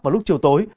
vào lúc chiều tối